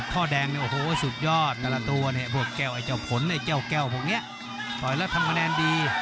ถ่อยและทำคะแนนดี